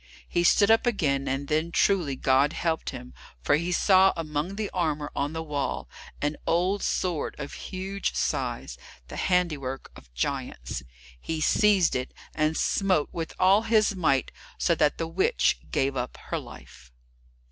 He stood up again, and then truly God helped him, for he saw among the armour on the wall an old sword of huge size, the handiwork of giants. He seized it, and smote with all his might, so that the witch gave up her life.